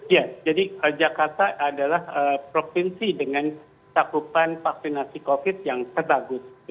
ya jadi jakarta adalah provinsi dengan cakupan vaksinasi covid yang terbagus